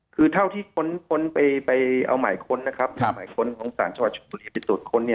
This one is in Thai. คือเท่าที่คนไปเอาหมายค้นนะครับหมายค้นของศาลชาวชุมบุรีไปตรวจค้น